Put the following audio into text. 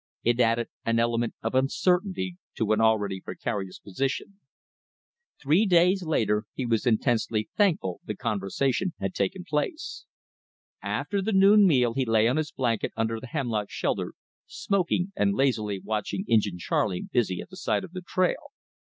It added an element of uncertainty to an already precarious position. Three days later he was intensely thankful the conversation had taken place. After the noon meal he lay on his blanket under the hemlock shelter, smoking and lazily watching Injin Charley busy at the side of the trail.